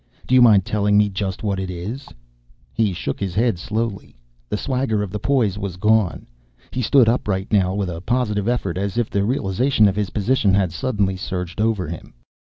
Do you mind telling me just what it is?" He shook his head slowly. The swagger of the poise was gone; he stood upright now with a positive effort, as if the realization of his position had suddenly surged over him.